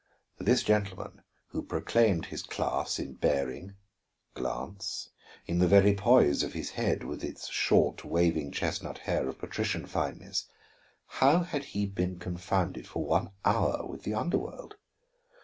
This gentleman, who proclaimed his class in bearing, glance, in the very poise of his head with its short, waving chestnut hair of patrician fineness, how had he been confounded for one hour with the underworld?